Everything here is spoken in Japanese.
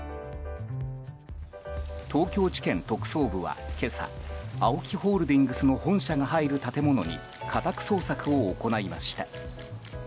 東京地検特捜部は今朝ＡＯＫＩホールディングスの本社が入る建物に家宅捜索を行いました。